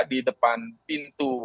di depan pintu